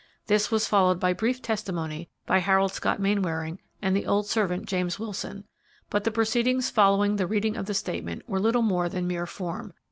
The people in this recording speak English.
This was followed by brief testimony by Harold Scott Mainwaring and the old servant, James Wilson, but the proceedings following the reading of the statement were little more than mere form.